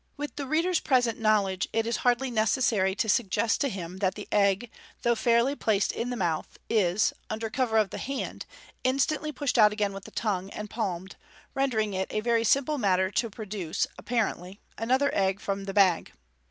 With the reader's present knowledge, it is hardly necessary to suggest to him that the egg, though fairly placed in the mouth, is, under cover of the hand, in stantly pushed out again with the tongue, and palmed, rendering it a very simple matter to produce (apparently) another egg from the bag.